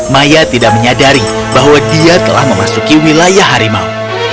maya tidak menyadari bahwa dia telah memasuki wilayah harimau